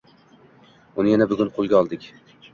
Uni yana bugun qoʻlga oldik